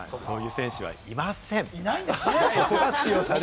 そんな選手はいません。